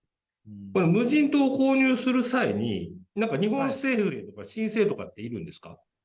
無人島購入する際に、なんか日本政府への申請とかっているんですか。